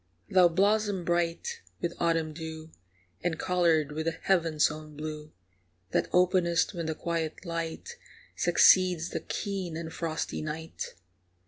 Thou blossom bright with autumn dew, And coloured with the heaven's own blue, That openest when the quiet light Succeeds the keen and frosty night.